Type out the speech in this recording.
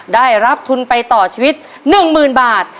ได้รับทุนไปต่อชีวิต๑๐๐๐บาท